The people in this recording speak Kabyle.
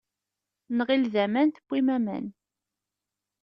Nɣil d aman tewwim aman.